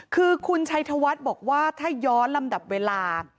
คือคุณชัยธวัฒน์บอกว่าถ้าย้อนลำดับเวลา